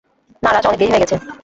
না রাজ, অনেক দেরি হয়ে গেছে।